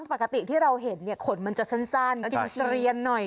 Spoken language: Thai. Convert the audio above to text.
ปกติที่เราเห็นเนี่ยขนมันจะสั้นกินเกลียนหน่อย